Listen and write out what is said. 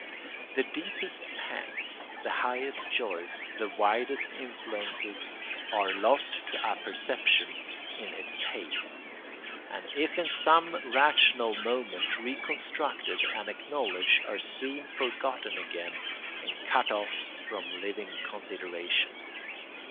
The deepest pangs, the highest joys, the widest influences are lost to apperception in its haste, and if in some rational moment reconstructed and acknowledged, are soon forgotten again and cut off from living consideration.